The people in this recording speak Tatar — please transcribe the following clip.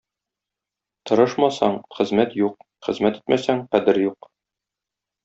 Тырышмaсaң, xeзмәт юк; xeзмәт итмәсәң, кәдeр юк.